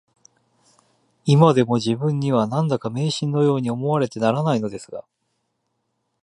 いまでも自分には、何だか迷信のように思われてならないのですが